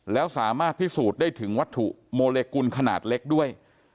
แล้วสามารถพิสูจน์ได้ถึงวัตถุโมเลกุลขนาดเล็กด้วย